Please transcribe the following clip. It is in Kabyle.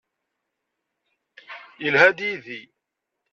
Yelha-d yid-i.